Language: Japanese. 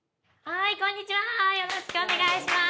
はい。